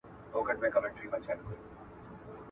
په تا چې څوک نه مينيږي